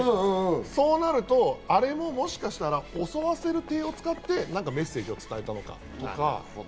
そうなるとあれも、もしかしたら襲わせるていを使ってメッセージを伝えたのかとか。